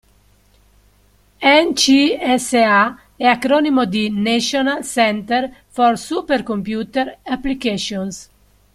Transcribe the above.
NCSA è acronimo di National Center for Supercomputer Applications.